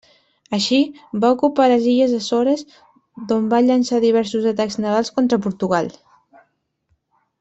Així, va ocupar les illes Açores d'on va llançar diversos atacs navals contra Portugal.